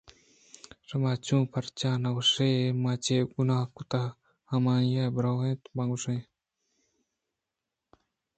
شماچو پرچا نہ گوٛشئے من چے گناہ کُتگ ہمائی ءَ برو اِت بہ گوٛش اِت